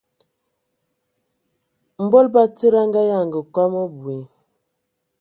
Mbol batsidi a nganyanga kom abui,